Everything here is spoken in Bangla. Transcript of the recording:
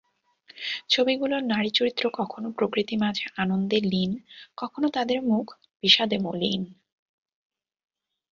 ছবিগুলোর নারী চরিত্র কখনো প্রকৃতি-মাঝে আনন্দে লীন, কখনো তাদের মুখ বিষাদে মলিন।